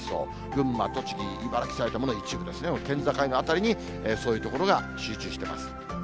群馬、栃木、茨城、埼玉の一部ですね、県境の辺りに、そういう所が集中してます。